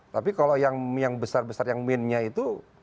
tapi kalau yang besar besar yang mainnya itu